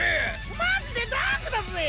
マジでダークだぜ！